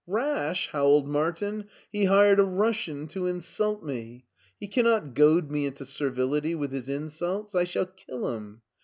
''Rash!" howled Martin. "He hired a Russian to insult me ! He cannot goad me into servility with his insults. I shall kill him.